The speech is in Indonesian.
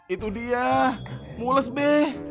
itu dia mules be